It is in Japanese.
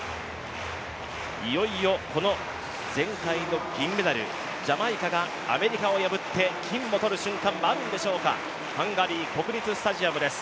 いよいよこの前回の銀メダル、ジャマイカがアメリカを破って金を取る瞬間はあるんでしょうか、ハンガリー国立スタジアムです。